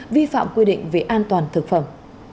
vi phạm quy định về an toàn thực phẩm